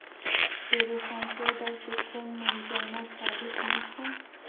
د روښانتیا داسې کوم منجمد تعریف نشته.